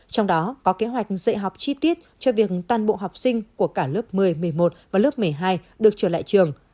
trong đó có kế hoạch dạy học chi tiết cho việc toàn bộ học sinh của cả lớp một mươi một mươi một và lớp một mươi hai được trở lại trường